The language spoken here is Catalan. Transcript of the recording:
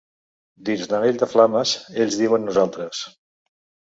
Dins l’anell de flames, ells diuen nosaltres.